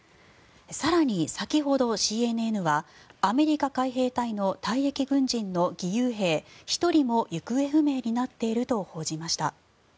更に先ほど、ＣＮＮはアメリカ海兵隊の退役軍人の義勇兵１人も行方不明になっていると報じました。